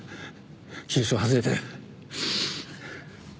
急所を外れてる。